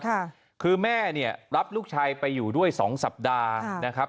ค่ะคือแม่เนี่ยรับลูกชายไปอยู่ด้วยสองสัปดาห์นะครับ